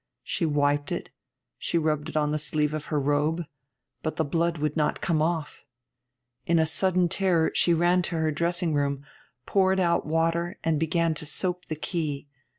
She wiped it; she rubbed it on the sleeve of her robe; but the blood would not come off. In a sudden terror she ran to her dressing room, poured out water, and began to soap the key.